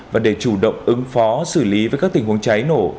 và để chủ động ứng phó xử lý với các tình huống cháy nổ